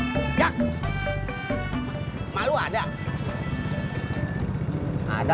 masa beli neng tak bisa